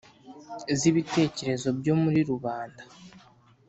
z’ibitekerezo byo muri rubanda: